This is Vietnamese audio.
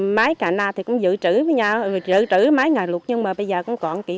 máy cạn nạ thì cũng dự trữ với nhau dự trữ máy ngài lụt nhưng mà bây giờ cũng còn kỹ